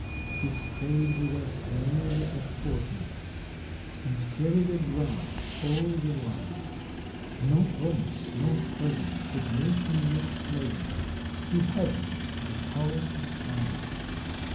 He stayed with us nearly a fortnight And carried a grouch all the while, Nor promise nor present could make him look pleasant; He hadn't the power to smile.